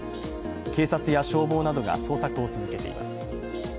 警察や消防などが捜索を続けています。